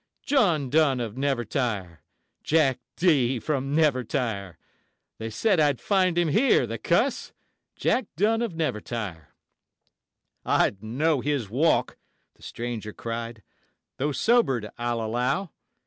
John Dunn of Nevertire, Jack D. from Nevertire, They said I'd find him here, the cuss! Jack Dunn of Nevertire. 'I'd know his walk,' the stranger cried, 'though sobered, I'll allow.'